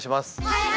はい！